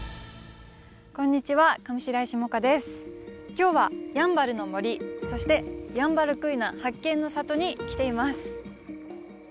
今日はやんばるの森そしてヤンバルクイナ発見の里に来ています。